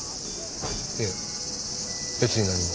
いえ別に何も。